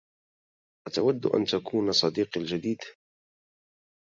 أتود أن تكون صديقي الجديد؟